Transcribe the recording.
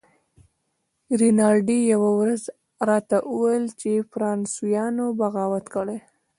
رینالډي یوه ورځ راته وویل چې فرانسویانو بغاوت کړی.